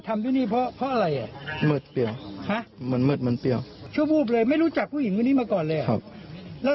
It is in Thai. ครับผมยังไม่ได้ทัพสิ่งเข้าไปแล้ว